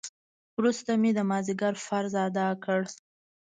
وروسته مې د مازديګر فرض ادا کړ.